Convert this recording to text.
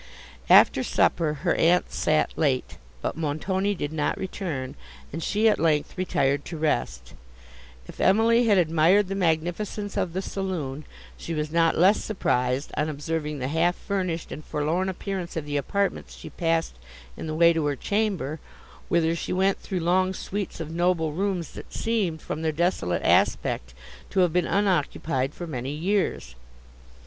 After supper, her aunt sat late, but Montoni did not return, and she at length retired to rest. If Emily had admired the magnificence of the saloon, she was not less surprised, on observing the half furnished and forlorn appearance of the apartments she passed in the way to her chamber, whither she went through long suites of noble rooms, that seemed, from their desolate aspect, to have been unoccupied for many years.